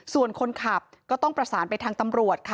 ส่วนคนขับก็ต้องประสานไปทางตำรวจค่ะ